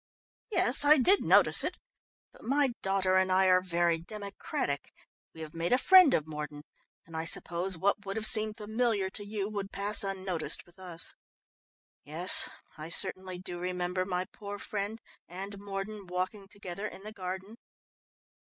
"Yes, I did notice it, but my daughter and I are very democratic. We have made a friend of Mordon and I suppose what would have seemed familiar to you, would pass unnoticed with us. Yes, I certainly do remember my poor friend and Mordon walking together in the garden."